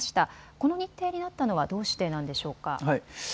この日程になったのはどうしてなんでしょうか。